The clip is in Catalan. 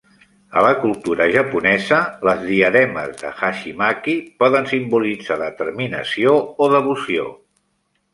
A la cultura japonesa, les diademes de hachimaki poden simbolitzar determinació o devoció.